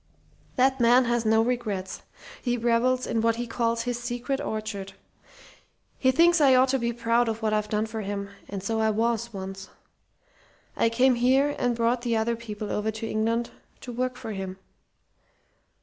"That man has no regrets. He revels in what he calls his 'secret orchard.' He thinks I ought to be proud of what I've done for him; and so I was once. I came here and brought the other people over to England to work for him.